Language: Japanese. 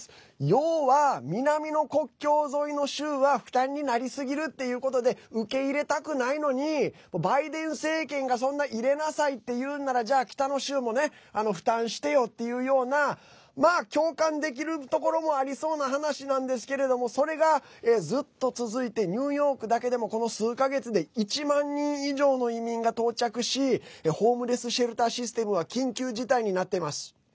要は、南の国境沿いの州は負担になりすぎるってことで受け入れたくないのにバイデン政権がそんな入れなさいって言うならじゃあ、北の州も負担してよっていうような共感できるところもありそうな話なんですけどそれが、ずっと続いてニューヨークだけでもこの数か月で１万人以上の移民が到着しホームレスシェルターシステムは緊急事態になっています。